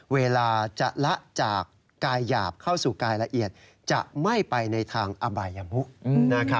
เวลาจะละจากกายหยาบเข้าสู่กายละเอียดจะไม่ไปในทางอบายมุก